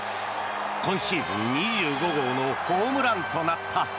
今シーズン２５号のホームランとなった。